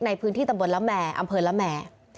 ในพื้นที่อำเภอละแหม